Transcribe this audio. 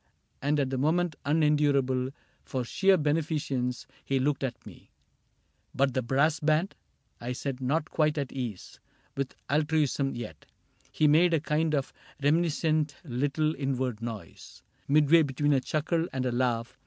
And at the moment unendurable For sheer beneficence, he looked at me. —^^ But the brass band ?" I said, not quite at ease With altruism yet. — He made a kind Of reminiscent little inward noise, Midway between a chuckle and a laugh.